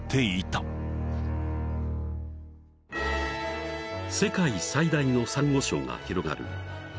［世界最大のサンゴ礁が広がる］